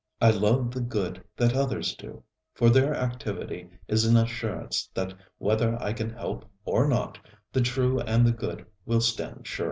I love the good that others do; for their activity is an assurance that whether I can help or not, the true and the good will stand sure.